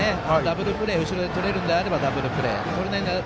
ダブルプレーを後ろでとれるんであればダブルプレー。